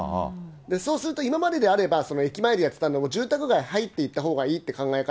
そうすると今までであれば、駅前でやってたのを住宅街入っていったほうがいいって考え方。